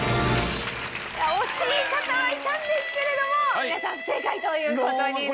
惜しい方はいたんですけれども皆さん不正解という事になります。